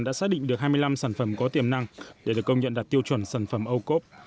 đã xác định được hai mươi năm sản phẩm có tiềm năng để được công nhận đạt tiêu chuẩn sản phẩm ô cốp